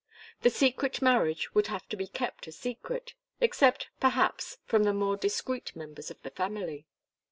The secret marriage would have to be kept a secret, except, perhaps, from the more discreet members of the family.